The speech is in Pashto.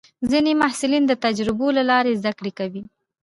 ځینې محصلین د تجربو له لارې زده کړه کوي.